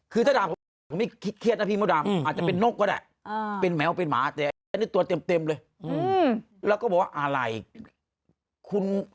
คือพี่มันเป็นความเช่นนี้ไงเพราะว่าก่อน